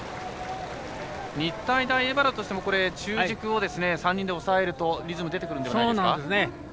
日体大荏原としても中軸を３人で抑えるとリズムが出てくるんじゃないですか？